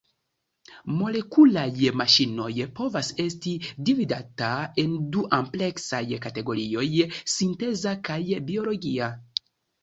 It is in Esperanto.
Molekulaj maŝinoj povas esti dividata en du ampleksaj kategorioj; sinteza kaj biologia.